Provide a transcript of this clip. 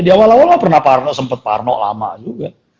di awal awal mah pernah sempet parno lama juga